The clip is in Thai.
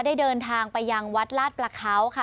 ได้เดินทางไปยังวัดลาดประเขาค่ะ